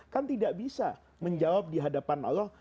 kan tidak bisa menjawab di hadapan allah